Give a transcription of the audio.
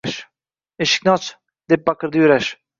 Eshikni och! – deb baqirdi Yurash.